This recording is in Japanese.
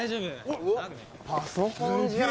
おっパソコンじゃん